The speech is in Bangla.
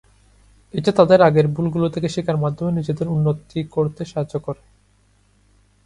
এটা তাদের আগের ভুলগুলো থেকে শেখার মাধ্যমে নিজেদের উন্নতি করতে সাহায্য করে।